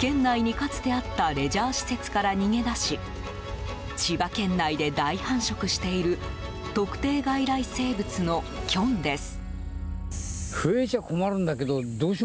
県内に、かつてあったレジャー施設から逃げ出し千葉県内で大繁殖している特定外来生物のキョンです。